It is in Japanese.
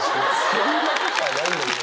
そんなことはないんだけど。